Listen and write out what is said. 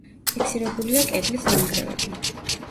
ფიქსირებულია კედლის ნანგრევები.